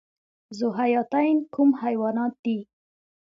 ذوحیاتین کوم حیوانات دي؟